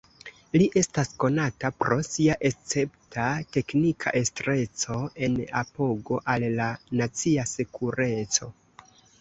Li estas konata pro sia escepta teknika estreco en apogo al la nacia sekureco.